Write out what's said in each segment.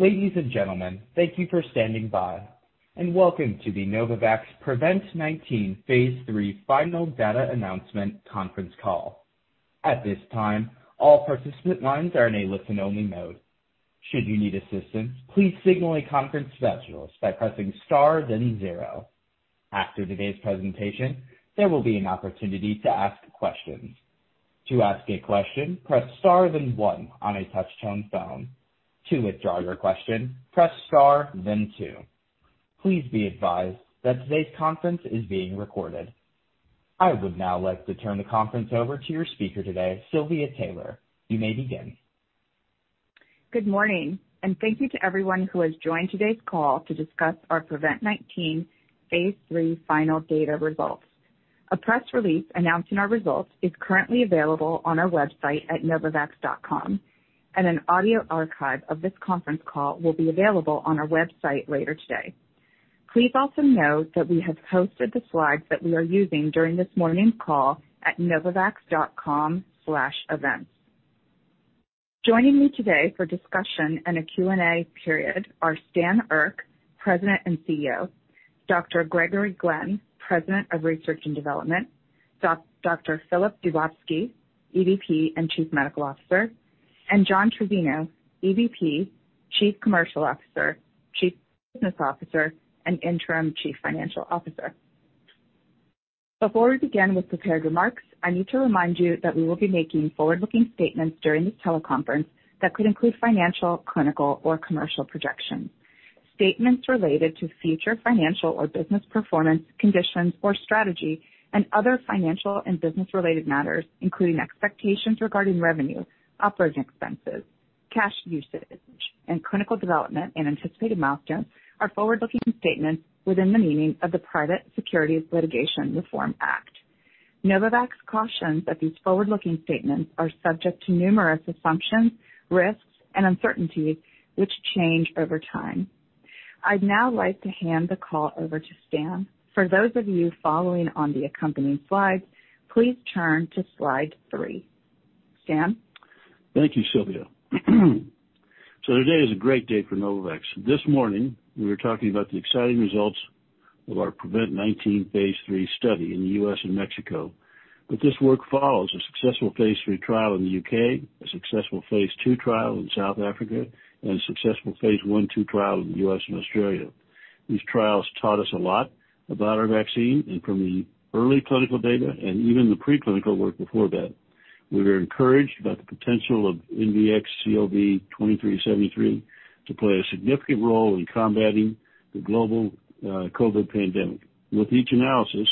Ladies and gentlemen, thank you for standing by, and welcome to the Novavax PREVENT-19 phase III Final Data Announcement Conference Call. At this time, all participants are in a listen only mode. Should you need assistance, please signal the conference specialist by pressing star then zero. After today's presentation, there will be an opportunity to ask questions. To ask a question press star then one on your touch tone-phone. To withdraw your question press star then two. Please be advised that today's conference is being recorded. I would now like to turn the conference over to your speaker today, Silvia Taylor. You may begin. Good morning. Thank you to everyone who has joined today's call to discuss our PREVENT-19 phase III final data results. A press release announcing our results is currently available on our website at novavax.com, and an audio archive of this conference call will be available on our website later today. Please also note that we have posted the slides that we are using during this morning call at novavax.com/events. Joining me today for discussion and a Q&A period are Stan Erck, President and CEO; Dr. Gregory Glenn, President of Research and Development; Dr. Filip Dubovsky, EVP and Chief Medical Officer; and John Trizzino, EVP, Chief Commercial Officer, Chief Business Officer, and Interim Chief Financial Officer. Before we begin with prepared remarks, I need to remind you that we will be making forward-looking statements during this teleconference that could include financial, clinical, or commercial projections. Statements related to future financial or business performance, conditions, or strategy, and other financial and business-related matters, including expectations regarding revenues, operating expenses, cash usage, and clinical development and anticipated milestones are forward-looking statements within the meaning of the Private Securities Litigation Reform Act. Novavax cautions that these forward-looking statements are subject to numerous assumptions, risks, and uncertainties, which change over time. I'd now like to hand the call over to Stan. For those of you following on the accompanying slides, please turn to slide three. Stan? Thank you, Silvia. Today is a great day for Novavax. This morning, we were talking about the exciting results of our PREVENT-19 phase III study in the U.S. and Mexico. This work follows a successful phase III trial in the U.K., a successful phase II trial in South Africa, and a successful phase I/II trial in the U.S. and Australia. These trials taught us a lot about our vaccine, and from the early clinical data and even the preclinical work before that, we are encouraged about the potential of NVX-CoV2373 to play a significant role in combating the global COVID pandemic. With each analysis,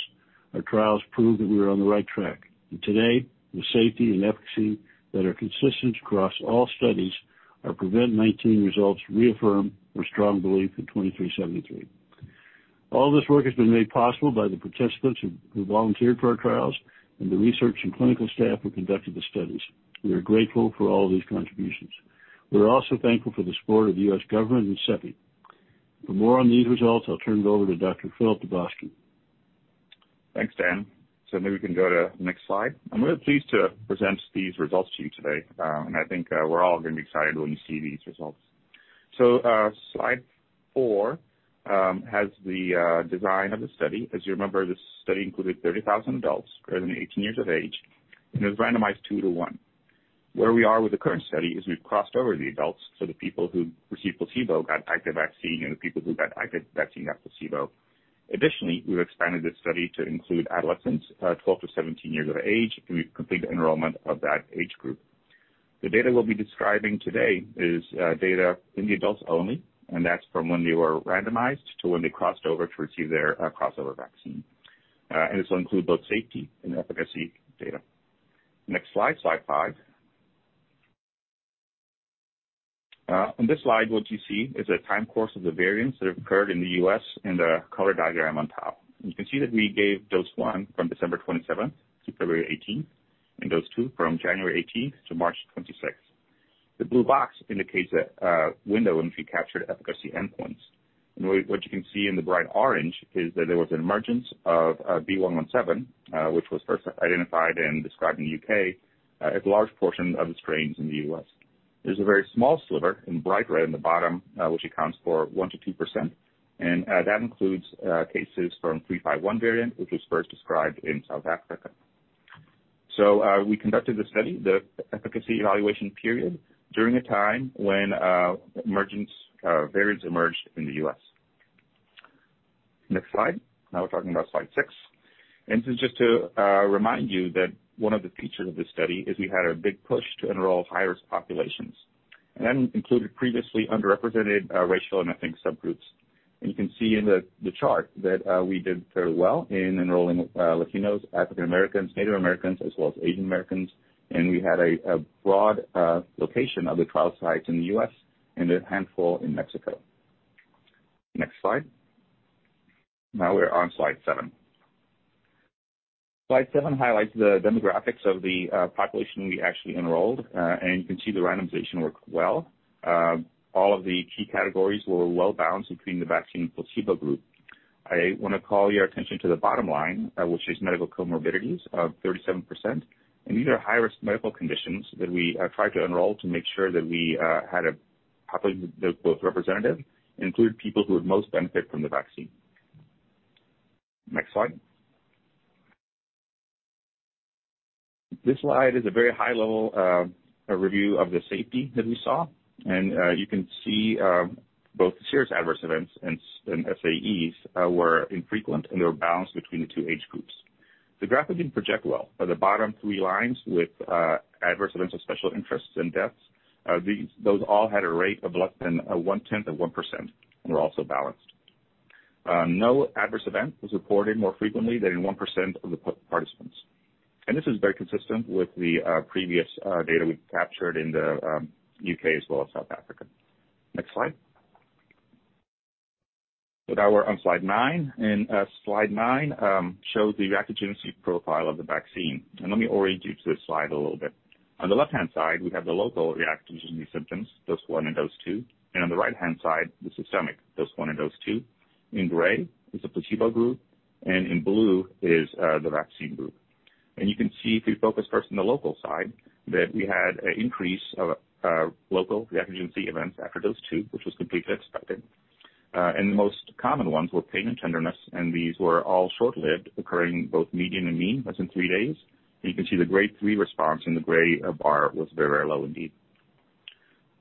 our trials prove that we're on the right track. Today, the safety and efficacy that are consistent across all studies, our PREVENT-19 results reaffirm our strong belief in 2373. All this work has been made possible by the participants who volunteered for our trials and the research and clinical staff who conducted the studies. We are grateful for all these contributions. We're also thankful for the support of the U.S. government and CEPI. For more on these results, I'll turn it over to Dr. Filip Dubovsky. Thanks, Stan. We can go to the next slide. I'm really pleased to present these results to you today, and I think we're all going to be excited when we see these results. Slide four has the design of the study. As you remember, this study included 30,000 adults greater than 18 years of age, and it was randomized 2:1. Where we are with the current study is we've crossed over the adults, so the people who received placebo got active vaccine, and the people who got active vaccine got placebo. Additionally, we've expanded this study to include adolescents 12-17 years of age, and we've completed enrollment of that age group. The data we'll be describing today is data in the adults only, and that's from when they were randomized to when they crossed over to receive their crossover vaccine. This will include both safety and efficacy data. Next slide five. On this slide, what you see is a time course of the variants that occurred in the U.S. in the color diagram on top. You can see that we gave dose one from December 27th to February 18th, and dose two from January 18th to March 26th. The blue box indicates a window in which we captured efficacy endpoints. What you can see in the bright orange is that there was an emergence of B.1.1.7, which was first identified and described in the U.K., a large portion of the strains in the U.S. There's a very small sliver in bright red in the bottom, which accounts for 1%-2%, and that includes cases from B.1.351 variant, which was first described in South Africa. We conducted the study, the efficacy evaluation period, during a time when variants emerged in the U.S. Next slide. We're talking about slide six. Just to remind you that one of the features of this study is we had a big push to enroll diverse populations, and that included previously underrepresented racial and ethnic subgroups. You can see in the chart that we did very well in enrolling Latinos, African Americans, Native Americans, as well as Asian Americans, and we had a broad location of the trial sites in the U.S. and a handful in Mexico. Next slide. We're on slide seven. Slide seven highlights the demographics of the population we actually enrolled, and you can see the randomization worked well. All of the key categories were well-balanced between the vaccine and placebo group. I want to call your attention to the bottom line, which is medical comorbidities of 37%. These are high-risk medical conditions that we tried to enroll to make sure that we had a population that was representative, including people who would most benefit from the vaccine. Next slide. This slide is a very high-level review of the safety that we saw, and you can see both serious adverse events and SAEs were infrequent and they were balanced between the two age groups. The graph didn't project well but the bottom three lines with adverse events of special interests and deaths, those all had a rate of less than 1/10 of 1% and were also balanced. No adverse event was reported more frequently than 1% of the participants. This is very consistent with the previous data we captured in the U.K. as well as South Africa. Next slide. Now we're on slide nine, and slide nine shows the reactogenicity profile of the vaccine. Let me orient you to this slide a little bit. On the left-hand side, we have the local reactogenicity symptoms, dose one and dose two. On the right-hand side, the systemic dose one and dose two. In gray is the placebo group, and in blue is the vaccine group. You can see if we focus first on the local side, that we had an increase of local reactogenicity events after dose two, which was completely expected. The most common ones were pain and tenderness, and these were all short-lived, occurring both median and mean less than three days. You can see the grade three response in the gray bar was very low indeed.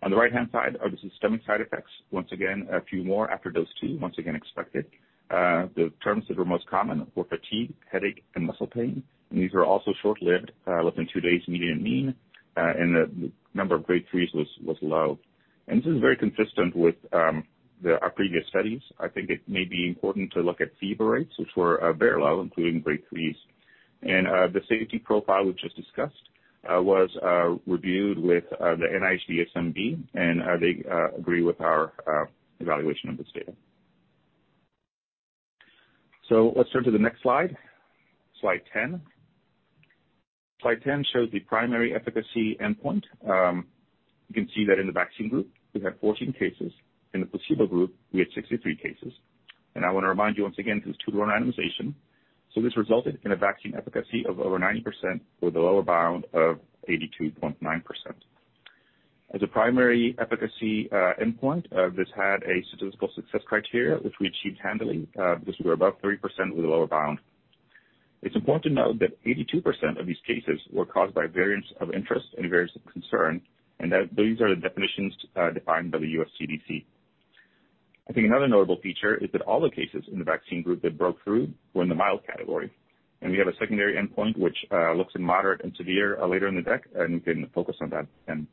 On the right-hand side are the systemic side effects. Once again, a few more after dose two, once again expected. The terms that were most common were fatigue, headache, and muscle pain. These were also short-lived, less than two days, median mean, and the number of grade threes was low. This is very consistent with our previous studies. I think it may be important to look at fever rates, which were very low, including grade threes. The safety profile we just discussed was reviewed with the NIH DSMB, and they agree with our evaluation of this data. Let's turn to the next slide 10. Slide 10 shows the primary efficacy endpoint. You can see that in the vaccine group, we had 14 cases. In the placebo group, we had 63 cases. I want to remind you once again, this is 2:1 randomization. This resulted in a vaccine efficacy of over 90% with a lower bound of 83.9%. As a primary efficacy endpoint, this had a statistical success criteria which we achieved handling. This was above 3% with a lower bound. It's important to note that 82% of these cases were caused by Variants of Interest and Variants of Concern, and that these are the definitions defined by the U.S. CDC. I think another notable feature is that all the cases in the vaccine group that broke through were in the mild category. We have a secondary endpoint which looks at moderate and severe later in the deck and can focus on that then.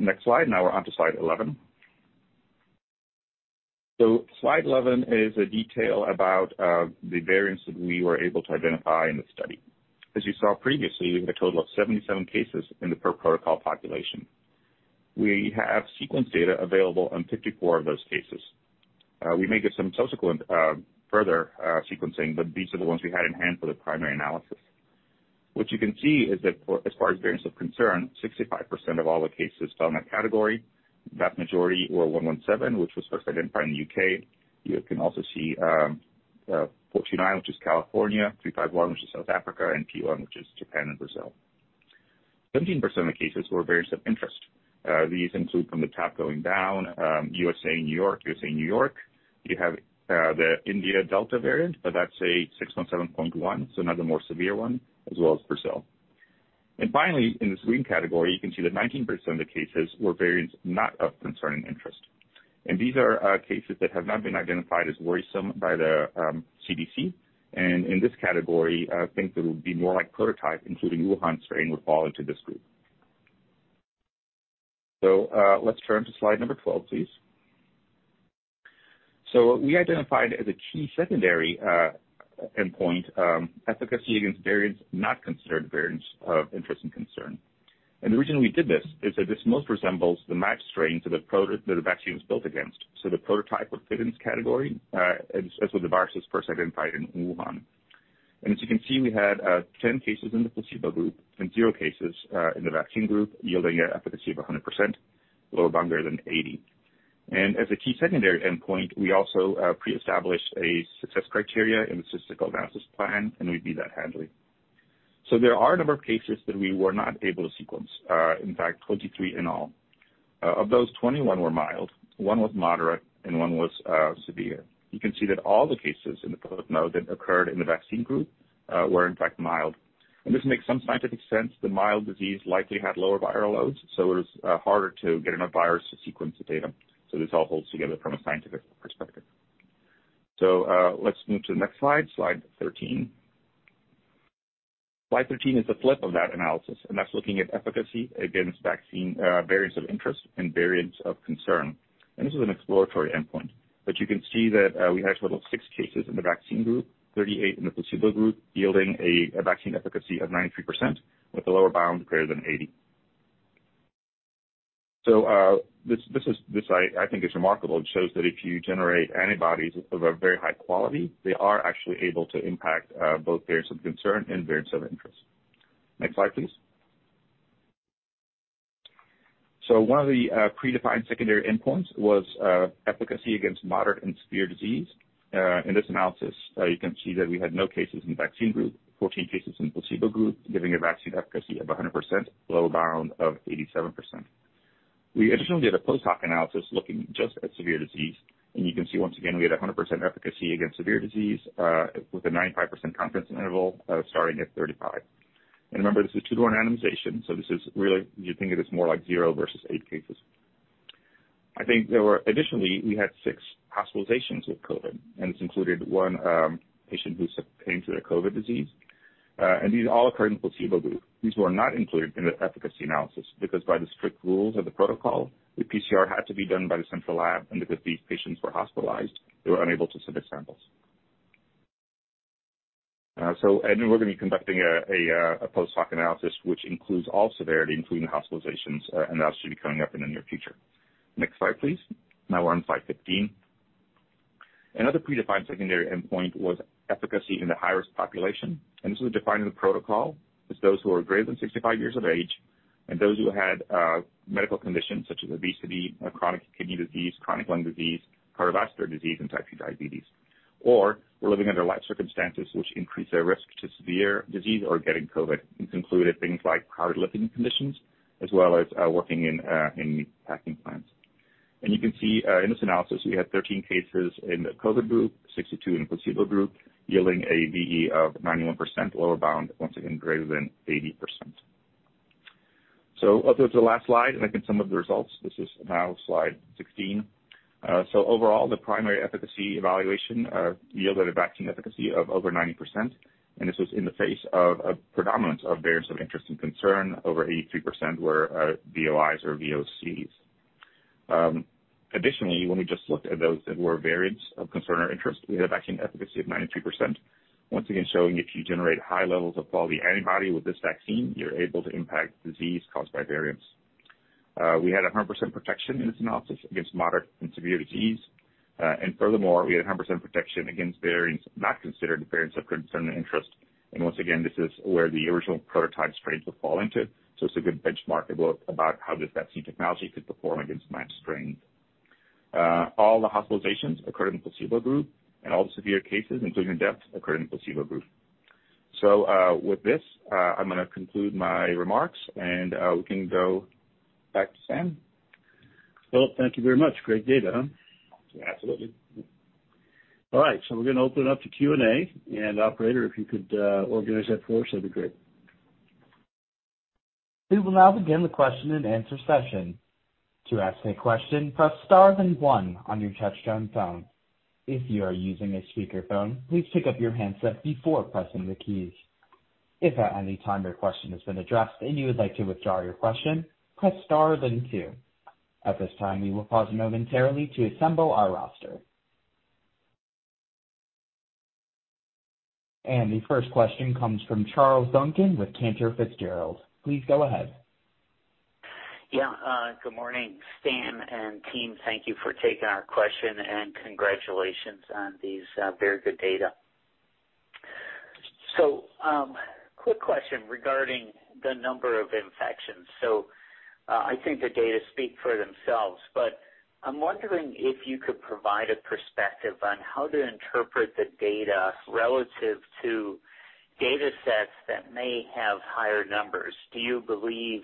Next slide. Now we're on to slide 11. Slide 11 is a detail about the variants that we were able to identify in the study. As you saw previously, a total of 77 cases in the per-protocol population. We have sequence data available on 54 of those cases. We may get some subsequent, further sequencing, but these are the ones we had in hand for the primary analysis. What you can see is that as far as Variants of Concern, 65% of all the cases fell in that category. The vast majority were 117, which was first identified in the U.K. You can also see B.1.429, which is California, 351, which is South Africa, and P.1, which is Japan and Brazil. 17% of cases were Variants of Interest. These include from the top going down, U.S.A., New York. You have the India Delta variant, but that's a 617.1, another more severe one, as well as Brazil. Finally, in the screen category, you can see that 19% of the cases were Variants not of Concern or Interest. These are cases that have not been identified as worrisome by the CDC. In this category, I think it would be more like prototype, including Wuhan strain would fall into this group. Let's turn to slide number 12, please. We identified as a key secondary endpoint efficacy against Variants of Interest and Concern. The reason we did this is that this most resembles the max strain that the vaccine was built against. The prototype or fitness category as with the virus was first identified in Wuhan. As you can see, we had 10 cases in the placebo group and zero cases in the vaccine group, yielding an efficacy of 100%, lower bound greater than 80%. As a key secondary endpoint, we also pre-established a success criteria in the statistical analysis plan, and we beat that handily. There are a number of cases that we were not able to sequence, in fact, 23 in all. Of those, 21 were mild, one was moderate, and one was severe. You can see that all the cases in the node that occurred in the vaccine group were in fact mild. This makes some scientific sense that mild disease likely had lower viral loads, so it's harder to get enough virus to sequence the data. This all holds together from a scientific perspective. Let's move to the next slide 13. Slide 13 is the flip of that analysis, that's looking at efficacy against vaccine Variants of Interest and Variants of Concern. This is an exploratory endpoint, you can see that we had a total of six cases in the vaccine group, 38 in the placebo group, yielding a vaccine efficacy of 93% with a lower bound greater than 80. This I think is remarkable. It shows that if you generate antibodies of a very high quality, they are actually able to impact both Variants of Concern and Variants of Interest. Next slide, please. One of the predefined secondary endpoints was efficacy against moderate and severe disease. In this analysis, you can see that we had no cases in the vaccine group, 14 cases in the placebo group, giving a vaccine efficacy of 100%, lower bound of 87%. We additionally had a post-hoc analysis looking just at severe disease. You can see once again we had 100% efficacy against severe disease with a 95% confidence interval starting at 35. Remember, this is 2:1 randomization, so you can think of this more like zero versus eight cases. I think additionally, we had six hospitalizations with COVID, and this included one patient who succumbed to their COVID disease. These all occurred in placebo group. These were not included in the efficacy analysis because by the strict rules of the protocol, the PCR had to be done by the central lab, and because these patients were hospitalized, they were unable to submit samples. We're going to be conducting a post-hoc analysis which includes all severity, including hospitalizations. That should be coming up in the near future. Next slide, please. Now we're on slide 15. Another predefined secondary endpoint was efficacy in the high-risk population. This was defined in the protocol as those who are greater than 65 years of age and those who had medical conditions such as obesity, chronic kidney disease, chronic lung disease, cardiovascular disease, and Type 2 diabetes, or were living under life circumstances which increase their risk to severe disease or getting COVID, including things like crowded living conditions as well as working in packing plants. You can see in this analysis we had 13 cases in the COVID group, 62 in the placebo group, yielding a VE of 91% lower bound, once again greater than 80%. I'll go to the last slide, and I can sum up the results. This is now slide 16. Overall, the primary efficacy evaluation yielded a vaccine efficacy of over 90%, and this was in the face of a predominance of variants of interest and concern over 83% were VOIs or VOCs. Additionally, when we just looked at those that were variants of concern or interest, we had a vaccine efficacy of 93%. Once again showing if you generate high levels of quality antibody with this vaccine, you're able to impact disease caused by variants. We had 100% protection in this analysis against moderate and severe disease. Furthermore, we had 100% protection against variants not considered variants of concern or interest. Once again, this is where the original prototype strains would fall into. It's a good benchmark about how this vaccine technology could perform against matched strains. All the hospitalizations occurred in placebo group, and all severe cases, including deaths, occurred in placebo group. With this, I'm going to conclude my remarks, and we can go back to Stan. Well, thank you very much. Great data. Absolutely. All right, we're going to open up to Q&A. Operator if you could organize that for us, that'd be great. We will now begin the question and answer session. To ask a question press star then one on your touch-tone phone, if you are using a speaker phone please take off your headset before pressing the keys. If anytime your question have been addressed then you like to withdraw your question press star then two. At this time we will pause momentarily to assemble our roster. The first question comes from Charles Duncan with Cantor Fitzgerald. Please go ahead. Good morning, Stan and team. Thank you for taking our question and congratulations on these very good data. Quick question regarding the number of infections. I think the data speak for themselves, but I'm wondering if you could provide a perspective on how to interpret the data relative to data sets that may have higher numbers. Do you believe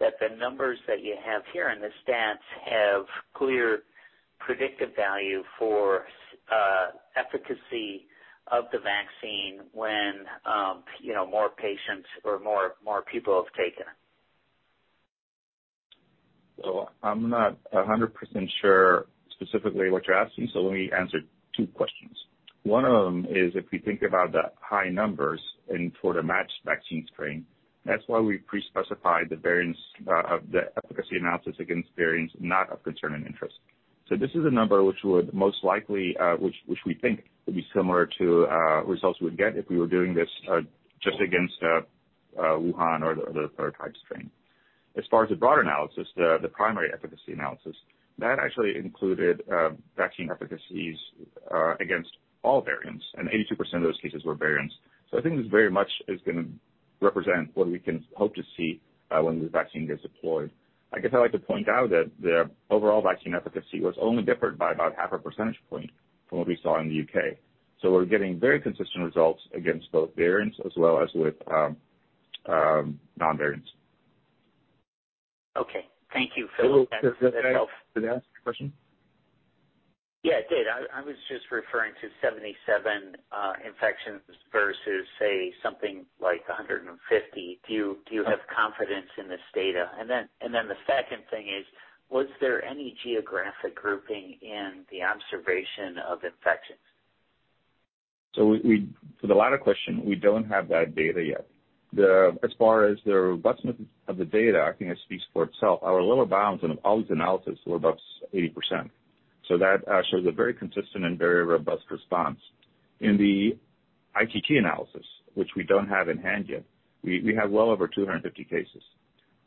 that the numbers that you have here and the stats have clear predictive value for efficacy of the vaccine when more patients or more people have taken it? I'm not 100% sure specifically what you're asking, let me answer two questions. One of them is if we think about the high numbers in toward a matched vaccine strain, that's why we pre-specified the efficacy analysis against variants not of Concern and Interest. This is a number which we think would be similar to results we'd get if we were doing this just against Wuhan or the [third-type strain]. As far as the broader analysis, the primary efficacy analysis, that actually included vaccine efficacies against all variants, and 80% of those cases were variants. I think this very much is going to represent what we can hope to see when this vaccine gets deployed. I guess I'd like to point out that the overall vaccine efficacy was only different by about half a percentage point from what we saw in the U.K. We're getting very consistent results against both variants as well as with non-variants. Okay. Thank you for that. Did that answer your question? Yeah, it did. I was just referring to 77 infections versus, say, something like 150. Do you have confidence in this data? The second thing is, was there any geographic grouping in the observation of infections? For the latter question, we don't have that data yet. As far as the robustness of the data, I think it speaks for itself. Our lower bounds in all these analysis were above 80%. That shows a very consistent and very robust response. In the ITT analysis, which we don't have in hand yet, we have well over 250 cases.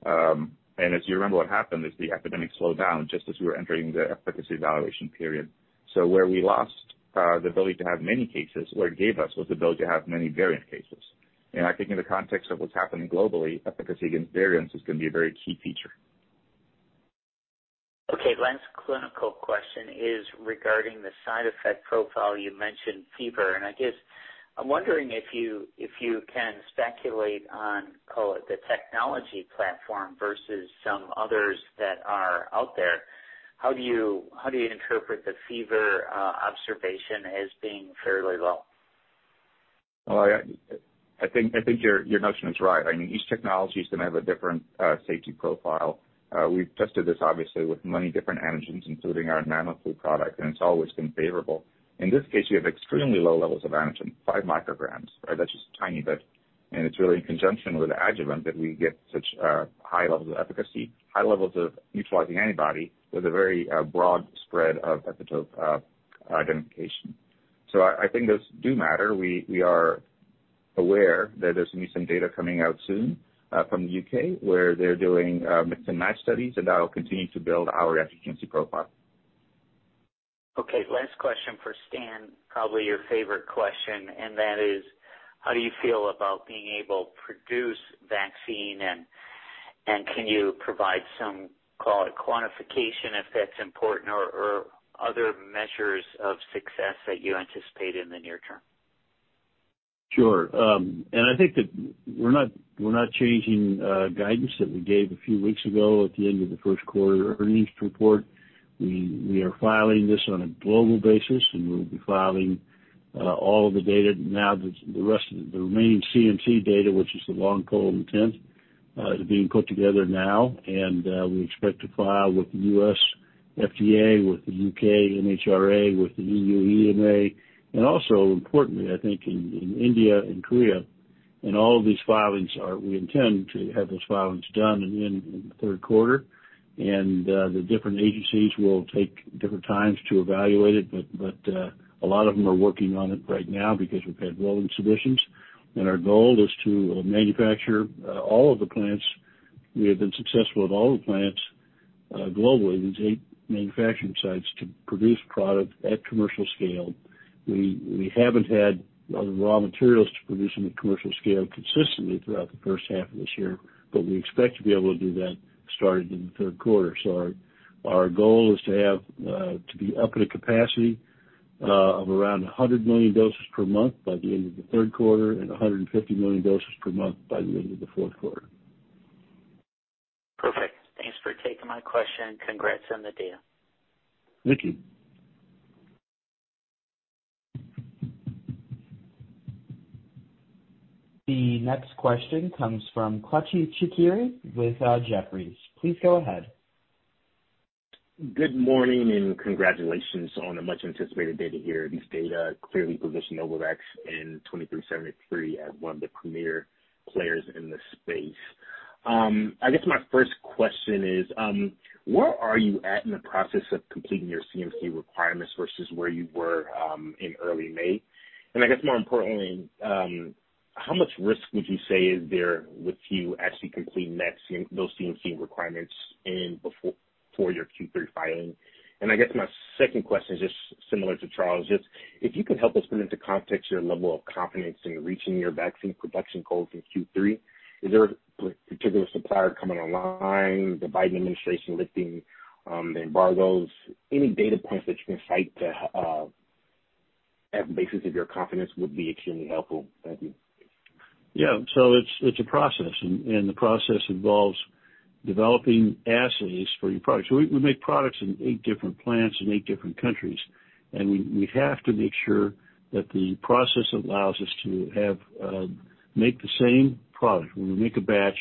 If you remember what happened is the epidemic slowed down just as we were entering the efficacy evaluation period. Where we lost the ability to have many cases, what it gave us was the ability to have many variant cases. I think in the context of what's happening globally, efficacy of variants is going to be a very key feature. Last clinical question is regarding the side effect profile. You mentioned fever, and I'm wondering if you can speculate on, call it, the technology platform versus some others that are out there. How do you interpret the fever observation as being fairly low? I think your notion is right. Each technology is going to have a different safety profile. We've tested this obviously with many different antigens, including our NanoFlu product, and it's always been favorable. In this case, you have extremely low levels of antigen, five micrograms. That's just a tiny bit, and it's really in conjunction with adjuvant that we get such high levels of efficacy, high levels of neutralizing antibody with a very broad spread of epitope identification. I think those do matter. We are aware that there's going to be some data coming out soon from the U.K., where they're doing mix and match studies, and that will continue to build our efficacy profile. Okay. Last question for Stan, probably your favorite question, and that is, how do you feel about being able to produce vaccine, and can you provide some, call it quantification, if that's important, or other measures of success that you anticipate in the near term? Sure. I think that we're not changing guidance that we gave a few weeks ago at the end of the first quarter earnings report. We are filing this on a global basis. We'll be filing all the data now that the remaining CMC data, which is the long column 10, is being put together now. We expect to file with the U.S. FDA, with the U.K. MHRA, with the EU EMA, and also importantly, I think in India and Korea. All of these filings, we intend to have those filings done in the third quarter. The different agencies will take different times to evaluate it. A lot of them are working on it right now because we've had rolling submissions, and our goal is to manufacture all of the plants. We have been successful with all the plants globally, these eight manufacturing sites, to produce product at commercial scale. We haven't had the raw materials to produce them at commercial scale consistently throughout the first half of this year, but we expect to be able to do that starting in the third quarter. Our goal is to be up at a capacity of around 100 million doses per month by the end of the third quarter and 150 million doses per month by the end of the fourth quarter. Perfect. Thanks for taking my question. Congrats on the deal. Thank you. The next question comes from Kelechi Chikere with Jefferies. Please go ahead. Good morning. Congratulations on a much anticipated data here. These data clearly position Novavax in 2373 as one of the premier players in the space. I guess my first question is, where are you at in the process of completing your CMC requirements versus where you were in early May? I guess more importantly, how much risk would you say is there with you actually completing those CMC requirements for your Q3 filing? I guess my second question is just similar to Charles, just if you could help us put into context your level of confidence in reaching your vaccine production goals in Q3. Is there a particular supplier coming online, the Biden administration lifting the embargoes? Any data points that you can cite to have basis of your confidence would be extremely helpful. Thank you. Yeah. It's a process, and the process involves developing assays for your product. We make products in eight different plants in eight different countries, and we have to make sure that the process allows us to make the same product. When we make a batch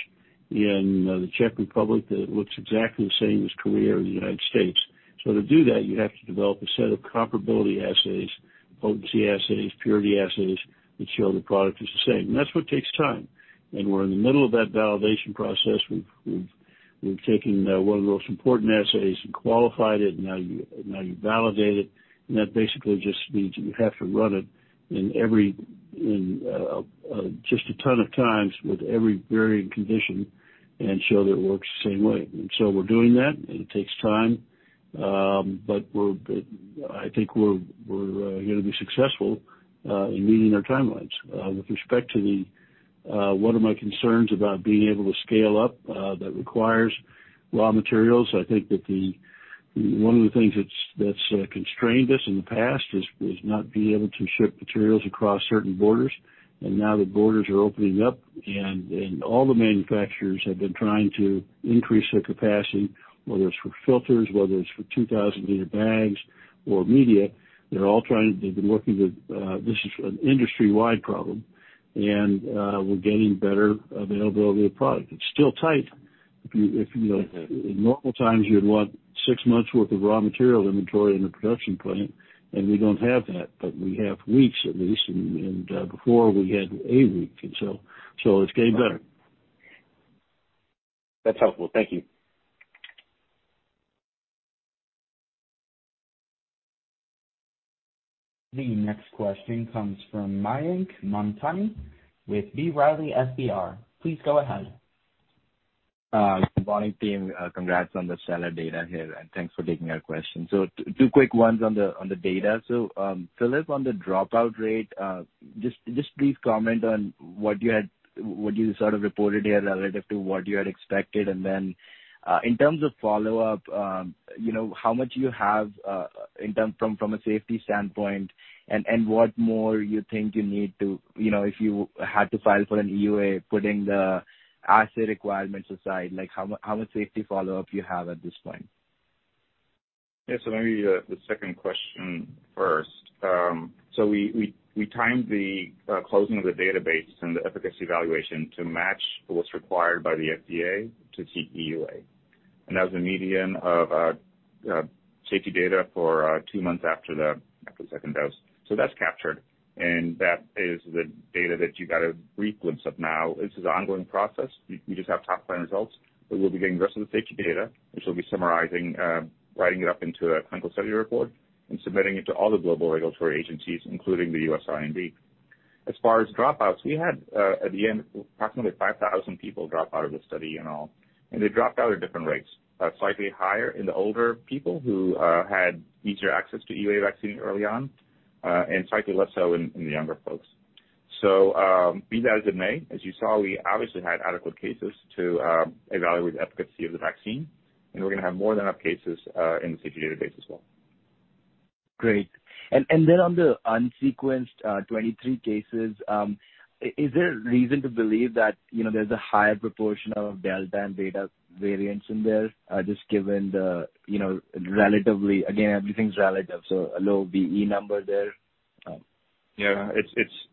in the Czech Republic, that it looks exactly the same as Korea or the United States. To do that, you have to develop a set of comparability assays, potency assays, purity assays that show the product is the same. That's what takes time, and we're in the middle of that validation process. We've taken one of the most important assays and qualified it. Now you validate it, and that basically just means you have to run it just a ton of times with every varying condition and show that it works the same way. We're doing that, and it takes time. I think we're going to be successful in meeting our timelines. With respect to one of my concerns about being able to scale up that requires raw materials, I think that one of the things that's constrained us in the past is not being able to ship materials across certain borders. Now the borders are opening up, and all the manufacturers have been trying to increase their capacity, whether it's for filters, whether it's for 2,000-liter bags or media. This is an industry-wide problem, and we're getting better availability of product. It's still tight. In normal times, you'd want six months worth of raw material inventory in a production plant, and we don't have that, but we have weeks at least, and before we had a week, it's getting better. That's helpful. Thank you. The next question comes from Mayank Mamtani with B. Riley FBR. Please go ahead. Good morning, team. Congrats on the stellar data here, and thanks for taking our question. Two quick ones on the data. Filip, on the dropout rate, just please comment on what you sort of reported here relative to what you had expected. In terms of follow-up, how much you have in terms from a safety standpoint, and what more you think you need to, if you had to file for an EUA, putting the assay requirements aside, how much safety follow-up you have at this point? Yeah. Maybe the second question first. We timed the closing of the database and the efficacy evaluation to match what's required by the FDA to keep EUA. That was a median of safety data for two months after the second dose. That's captured, and that is the data that you got a read glimpse of now. This is an ongoing process. We just have top-line results, but we'll be getting the rest of the safety data, which we'll be summarizing, writing it up into a clinical study report, and submitting it to all the global regulatory agencies, including the U.S. IND. As far as dropouts, we had, at the end, approximately 5,000 people drop out of the study in all. They dropped out at different rates, slightly higher in the older people who had easier access to EUA vaccine early on, and slightly less so in the younger folks. Be that as it may. As you saw, we obviously had adequate cases to evaluate the efficacy of the vaccine, and we're going to have more than enough cases in the [security database as well]. Great. On the unsequenced 23 cases, is there reason to believe that there's a higher proportion of Delta and Beta variants in there, just given the relatively, again, everything's relative, so a low VE number there? Yeah,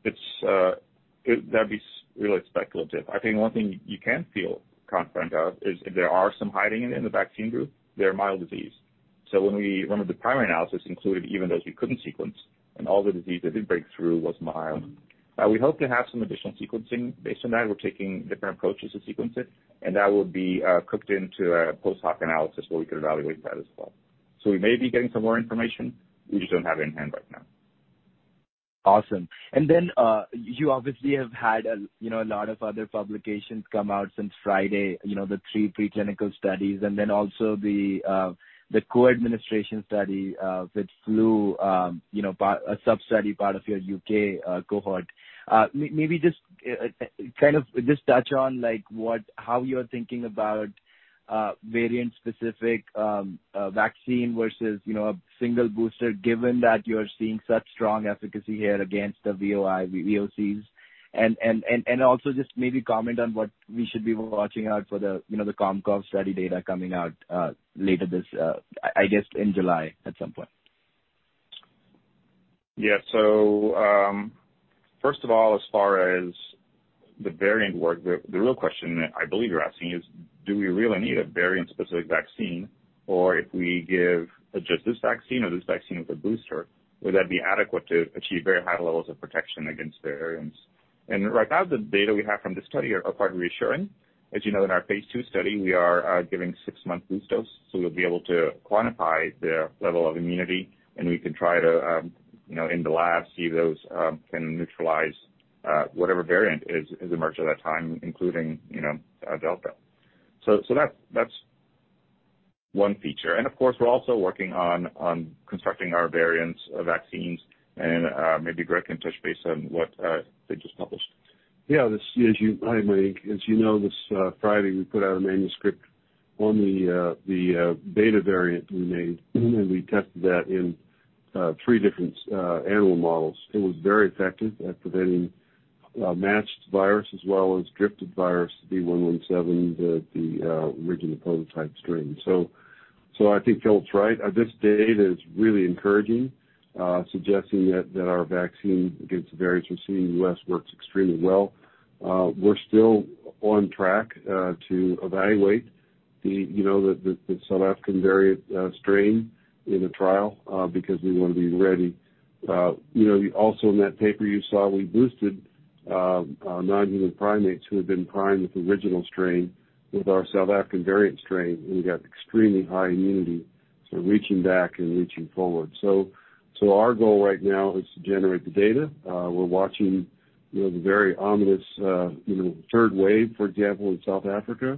that'd be really speculative. I think one thing you can feel confident of is if there are some hiding in the vaccine group, they're mild disease. When we run the primary analysis, including even those you couldn't sequence, and all the disease that did break through was mild. We hope to have some additional sequencing. Based on that, we're taking different approaches to sequence it, and that will be cooked into a post-hoc analysis where we can evaluate that as well. We may be getting some more information. We just don't have it in hand right now. Awesome. You obviously have had a lot of other publications come out since Friday, the three preclinical studies, and then also the co-administration study with flu, a sub-study part of your U.K. cohort. Maybe just touch on how you're thinking about variant-specific vaccine versus single booster, given that you're seeing such strong efficacy here against the VOI, VOCs. Just maybe comment on what we should be watching out for the Com-COV study data coming out later this, I guess, in July at some point. Yeah. First of all, as far as the variant work, the real question I believe you're asking is do we really need a variant-specific vaccine? Or if we give just this vaccine or this vaccine with a booster, would that be adequate to achieve very high levels of protection against the variants? Right now, the data we have from this study are quite reassuring. As you know, in our phase II study, we are giving six-month boost dose, so we'll be able to quantify their level of immunity, and we can try to, in the lab, see those can neutralize whatever variant is emergent at that time, including Delta. That's one feature. Of course, we're also working on constructing our variants vaccines, and maybe Greg can touch base on what they just published. Yeah. As you know, this Friday, we put out a manuscript on the Beta variant we made, and we tested that in three different animal models. It was very effective at preventing matched virus as well as drifted virus B.1.1.7, the original prototype strain. I think Filip is right. This data is really encouraging, suggesting that our vaccine against variants we're seeing in the U.S. works extremely well. We're still on track to evaluate the South African variant strain in the trial because we want to be ready. Also in that paper, you saw we boosted non-human primates who had been primed with the original strain with our South African variant strain, and we got extremely high immunity. Reaching back and reaching forward. Our goal right now is to generate the data. We're watching the very ominous third wave, for example, in South Africa,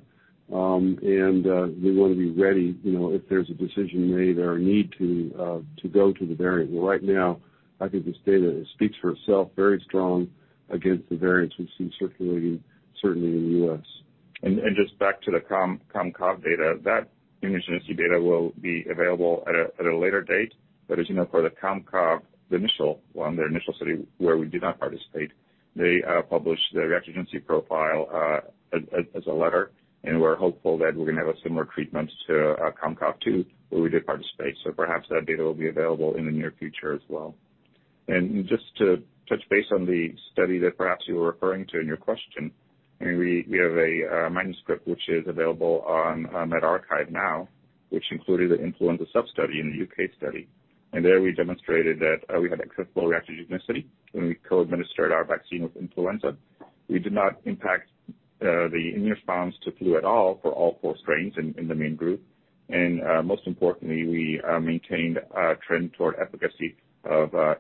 and we want to be ready if there's a decision made or a need to go to the variant. Right now, I think this data speaks for itself, very strong against the variants we've seen circulating, certainly in the U.S. Just back to the Com-COV data, that immunogenicity data will be available at a later date. As you know, for the Com-COV, the initial one, their initial study where we did not participate, they published their efficacy profile as a letter, and we're hopeful that we're going to have a similar treatment to Com-COV2, where we did participate. Perhaps that data will be available in the near future as well. Just to touch base on the study that perhaps you were referring to in your question, we have a manuscript which is available on medRxiv now, which included an influenza sub-study in the U.K. study. There we demonstrated that we had equitable reactogenicity when we co-administered our vaccine with influenza. We did not impact the immune response to flu at all for all four strains in the main group. Most importantly, we maintained a trend toward efficacy of 87.5%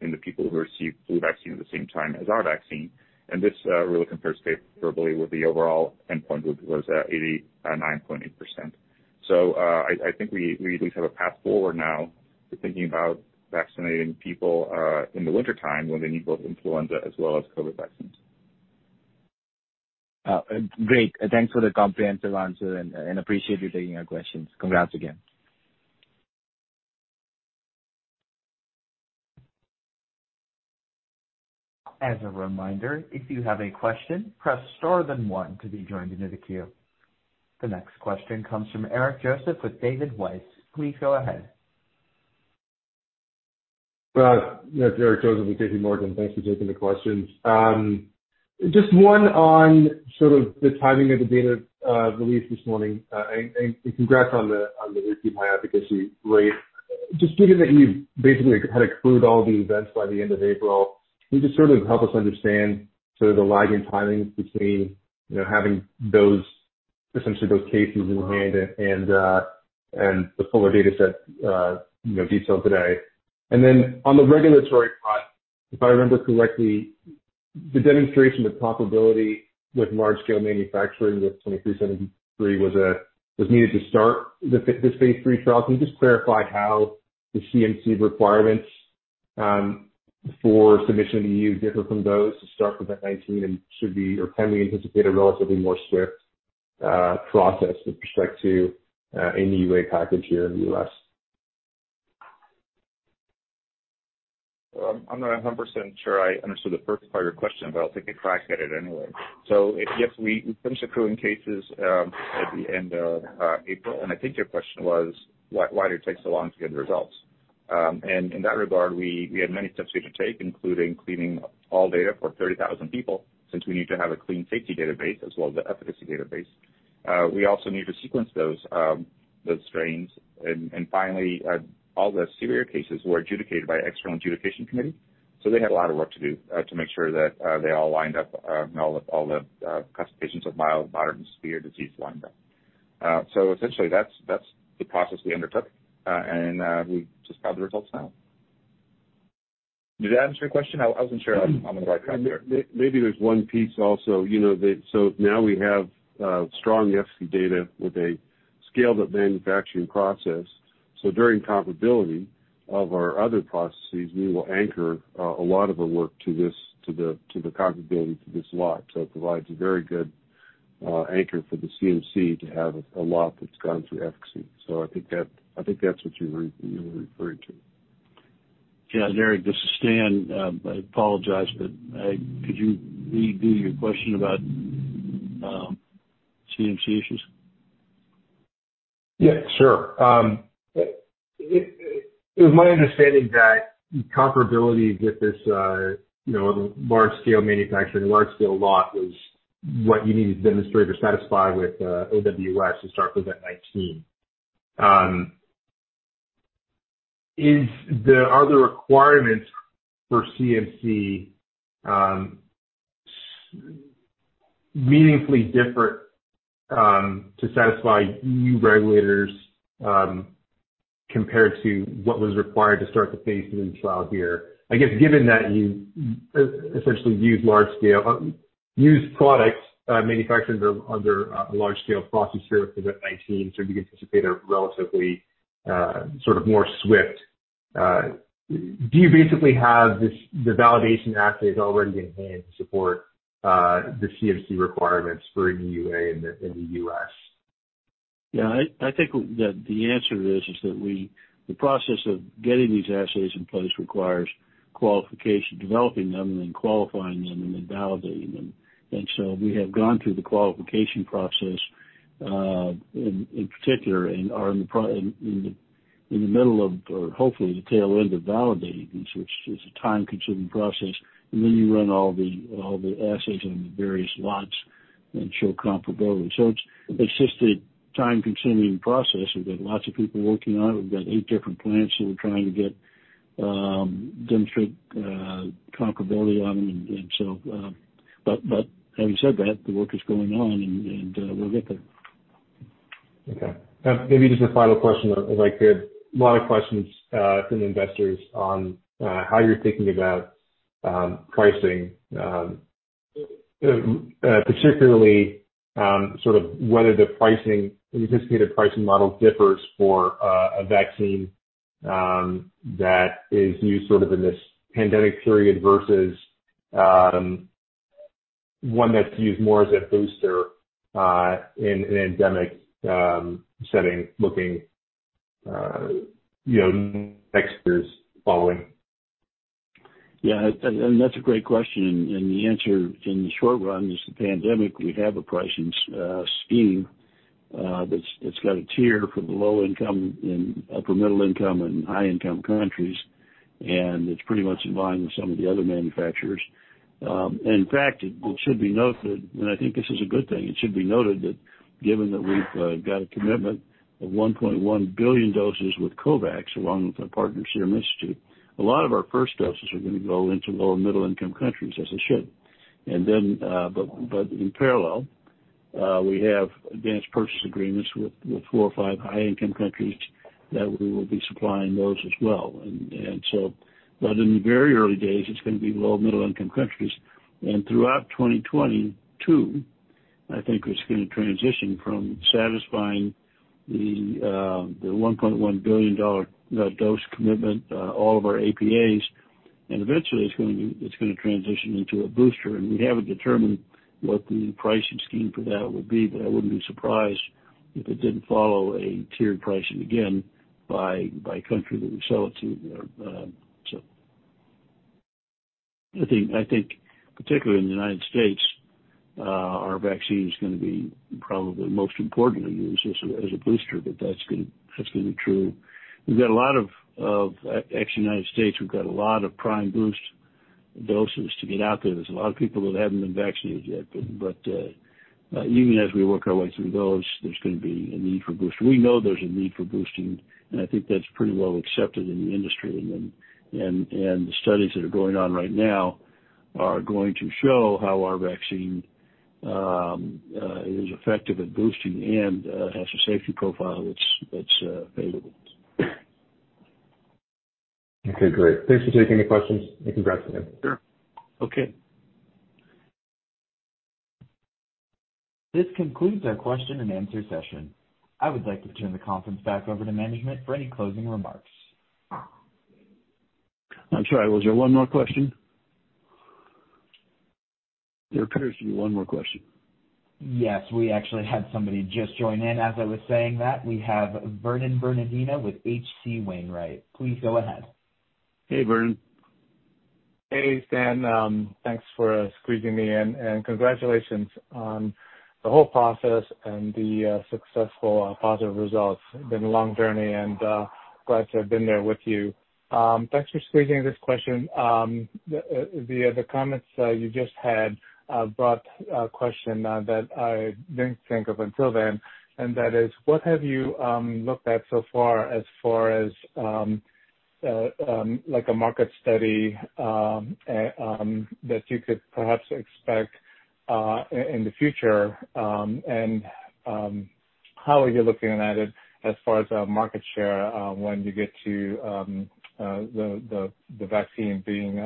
in the people who received flu vaccine at the same time as our vaccine. This really compares favorably with the overall endpoint, which was 89.8%. I think we do have a path forward now to thinking about vaccinating people in the wintertime when they need both influenza as well as COVID vaccines. Great. Thanks for the comprehensive answer and appreciate you taking our questions. Congrats again. As a reminder, if you have a question, press star then one to be joined into the queue. The next question comes from Eric Joseph with JPMorgan. Please go ahead. Yeah. It's Eric Joseph with JPMorgan. Thanks for taking the questions. Just one on sort of the timing of the data release this morning. Congrats on the efficacy. Great. Just given that you basically kind of accrued all the events by the end of April, can you just sort of help us understand sort of the lag in timings between having essentially those cases in hand and the fuller data set detail today? On the regulatory plot, if I remember correctly, the demonstration of comparability with large scale manufacturing with 2373 was needed to start the phase III trial. Can you just clarify how the CMC requirements for submission to you differ from those to start with the 19 and can we anticipate a relatively more swift process with respect to an EUA package here in the U.S.? I'm not 100% sure I understood the first part of your question. I'll take a crack at it anyway. Yes, we finished accruing cases at the end of April. I think your question was why did it take so long to get the results? In that regard, we had many steps we had to take, including cleaning all data for 30,000 people, since we need to have a clean safety database as well as the efficacy database. We also need to sequence those strains. Finally, all the severe cases were adjudicated by an external adjudication committee. They had a lot of work to do to make sure that they all lined up and all the classifications of mild, moderate, and severe disease lined up. Essentially that's the process we undertook. We just got the results now. Did that answer your question? I wasn't sure on the back half there. Maybe there's one piece also. Now we have strong efficacy data with a scaled-up manufacturing process. During comparability of our other processes, we will anchor a lot of the work to the comparability to this lot. It provides a very good anchor for the CMC to have a lot that's gone through efficacy. I think that's what you're referring to. Yeah, Eric, this is Stan. I apologize, but could you redo your question about CMC issues? It was my understanding that comparability with this large scale manufacturing, large scale lot was what you need to demonstrate or satisfy with AWS to start with the 19. Are the requirements for CMC meaningfully different to satisfy EU regulators compared to what was required to start the phase III trial here? I guess given that you essentially used products manufactured under a large scale process here for the 19, sort of more swift, do you basically have the validation assays already in hand to support the CMC requirements for an EUA in the U.S.? Yeah, I think that the answer to this is that the process of getting these assays in place requires developing them and then qualifying them and then validating them. We have gone through the qualification process in particular, and are in the middle of or hopefully the tail end of validating these, which is a time-consuming process. Then you run all the assays on the various lots and show comparability. It's just a time-consuming process. We've got lots of people working on it. We've got eight different plants that we're trying to demonstrate comparability on. Having said that, the work is going on, and we'll get there. Maybe just a final question. I get a lot of questions from investors on how you're thinking about pricing, particularly sort of whether the anticipated pricing model differs for a vaccine that is used sort of in this pandemic period versus one that's used more as a booster in an endemic setting looking next years following? Yeah, that's a great question. The answer in the short run is the pandemic, we have a pricing scheme that's got a tier for the low income and upper middle income and high income countries, and it's pretty much in line with some of the other manufacturers. In fact, it should be noted, and I think this is a good thing. It should be noted that given that we've got a commitment of 1.1 billion doses with COVAX, along with our partners Serum Institute, a lot of our first doses are going to go into low and middle income countries, as they should. Then, in parallel, we have Advance Purchase Agreements with four or five high-income countries that we will be supplying those as well. In the very early days, it's going to be low-, middle-income countries. Throughout 2022, I think it's going to transition from satisfying the $1.1 billion dose commitment all of our APAs, and eventually it's going to transition into a booster. We haven't determined what the pricing scheme for that would be, but I wouldn't be surprised if it didn't follow a tiered pricing again by country that we sell it to. I think particularly in the U.S., our vaccine is going to be probably most importantly used as a booster, but that's going to be true. Actually, in the U.S., we've got a lot of prime boost doses to get out there. There's a lot of people that haven't been vaccinated yet. Even as we work our way through those, there's going to be a need for boosting. We know there's a need for boosting, and I think that's pretty well accepted in the industry. The studies that are going on right now are going to show how our vaccine is effective at boosting and has a safety profile that's favorable. Okay, great. Thanks for taking the questions and congrats again. Sure. Okay. This concludes our question and answer session. I would like to turn the conference back over to management for any closing remarks. I'm sorry, was there one more question? There appears to be one more question. Yes, we actually had somebody just join in as I was saying that. We have Vernon Bernardino with H.C. Wainwright. Please go ahead. Hey, Vernon. Hey, Stan. Thanks for squeezing me in and congratulations on the whole process and the successful positive results. It's been a long journey, and glad to have been there with you. Thanks for squeezing this question. The other comments you just had brought a question that I didn't think of until then, and that is, what have you looked at so far as far as a market study that you could perhaps expect in the future? How are you looking at it as far as market share when you get to the vaccine being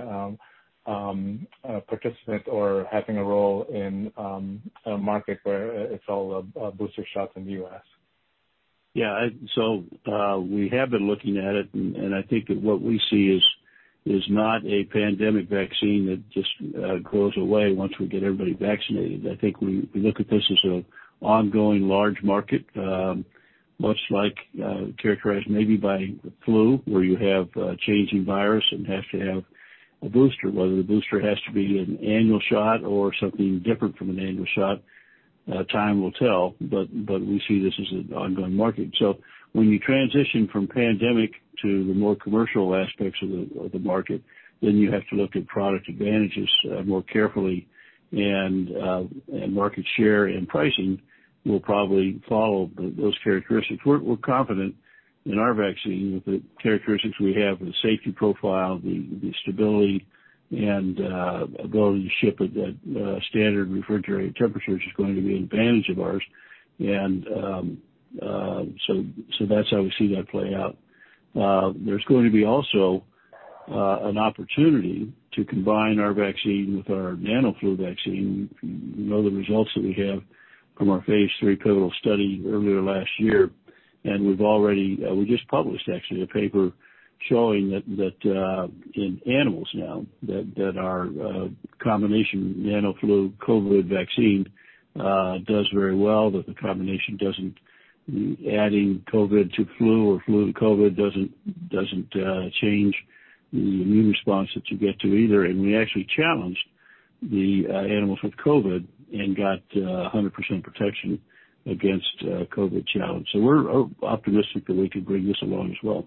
a participant or having a role in a market where it's all a booster shot in the U.S.? Yeah. We have been looking at it, and I think that what we see is not a pandemic vaccine that just goes away once we get everybody vaccinated. I think we look at this as an ongoing large market, much like characterized maybe by the flu, where you have a changing virus and have to have a booster. Whether the booster has to be an annual shot or something different from an annual shot time will tell, but we see this as an ongoing market. When you transition from pandemic to the more commercial aspects of the market, then you have to look at product advantages more carefully and market share and pricing will probably follow those characteristics. We're confident in our vaccine with the characteristics we have, the safety profile, the stability and ability to ship at standard refrigerated temperatures is going to be an advantage of ours. That's how we see that play out. There's going to be also an opportunity to combine our vaccine with our NanoFlu vaccine. We know the results that we have from our phase III clinical study earlier last year. We just published actually a paper showing that in animals now that our combination NanoFlu COVID vaccine does very well. The combination, adding COVID to flu or flu to COVID doesn't change the immune response that you get to either. We actually challenged the animals with COVID and got 100% protection against COVID challenge. We're optimistic that we can bring this along as well.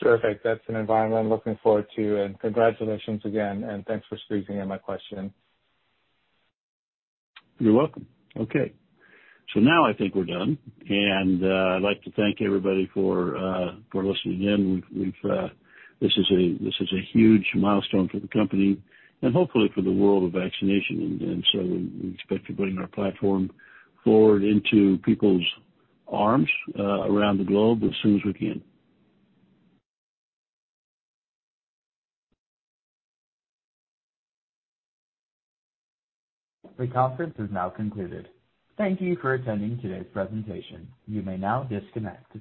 Perfect. That's an environment I'm looking forward to and congratulations again and thanks for squeezing in my question. You're welcome. Okay. I think we're done, and I'd like to thank everybody for listening in. This is a huge milestone for the company and hopefully for the world of vaccination. We expect to bring our platform forward into people's arms around the globe as soon as we can. The conference is now concluded. Thank you for attending today's presentation. You may now disconnect.